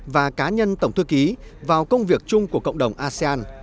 và cá nhân tổng thư ký vào công việc chung của cộng đồng asean